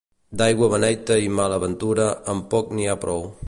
D'aigua beneita i mala ventura, amb poc n'hi ha prou.